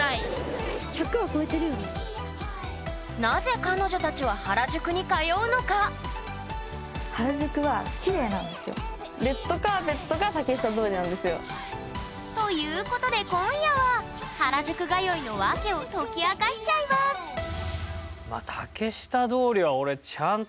なぜ彼女たちは原宿に通うのか？ということで今夜は原宿通いのわけを解き明かしちゃいますウソ！